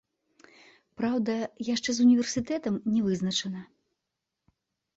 Праўда, яшчэ з універсітэтам не вызначана.